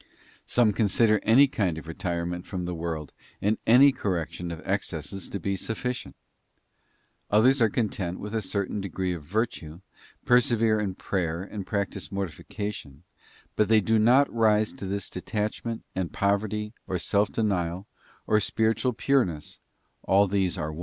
Some consider any kind of retirement from the world, and any correction of excesses to be sufficient; others are content with a certain degree of virtue, persevere in prayer and practise mortifi cation, but, they do not rise to this detachment, and poverty, or self denial, or spiritual pureness—all these are one—which * S.